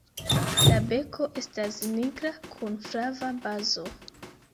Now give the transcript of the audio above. La beko estas nigra kun flava bazo.